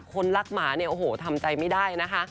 คนรักหมาเนี่ยโอ้โหทำใจไม่ได้นะคะ